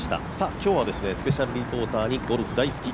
今日はスペシャルリポーターにゴルフ大好き・